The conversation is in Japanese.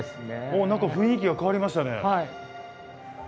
お何か雰囲気が変わりましたね。